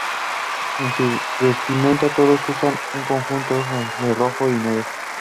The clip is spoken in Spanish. En su vestimenta todos usan un conjunto de rojo y negro.